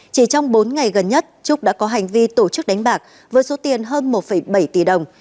chỉ trong bốn ngày gần nhất trúc đã có hành vi tổ chức đánh bạc với số tiền hơn một bảy tỷ đồng